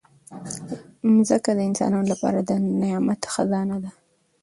مځکه د انسانانو لپاره د نعمت خزانه ده.